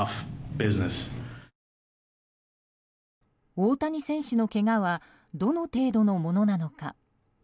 大谷選手のけがはどの程度のものなのか。